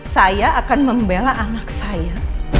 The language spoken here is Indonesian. saya akan membela anak saya